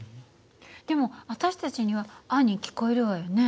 でも私たちには「あ」に聞こえるわよね。